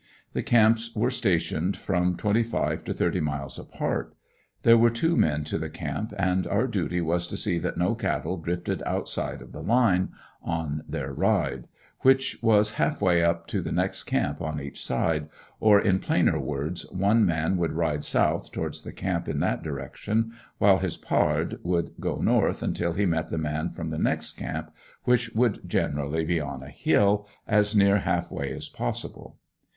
The camps were stationed from twenty five to thirty miles apart. There were two men to the camp and their duty was to see that no cattle drifted outside of the line on their "ride," which was half way to the next camp on each side, or in plainer words one man would ride south towards the camp in that direction, while his pard would go north until he met the man from the next camp, which would generally be on a hill, as near half way as possible.